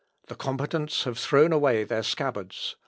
The combatants have thrown away their scabbards.